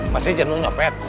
masih jenuh nyopet